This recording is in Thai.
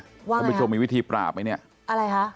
ว่าไงครับเขาไปโชว์มีวิธีปราบไหมเนี้ยอะไรคะ